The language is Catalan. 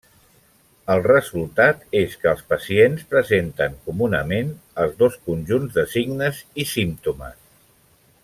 El resultat és que els pacients presenten comunament els dos conjunts de signes i símptomes.